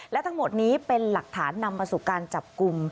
และทั้งหมดนี้เป็นหลักฐานนำมาสู่การจับกลุ่ม